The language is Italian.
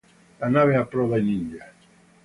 La nave approda in India.